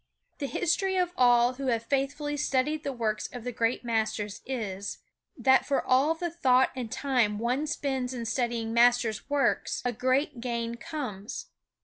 The history of all who have faithfully studied the works of the great masters is, that for all the thought and time one spends in studying master works a great gain comes.